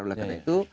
oleh karena itu